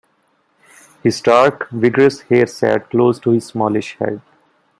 His dark, vigorous hair sat close to his smallish head.